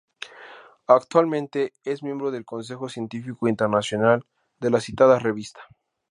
Actualmente es miembro del consejo científico internacional de la citada revista.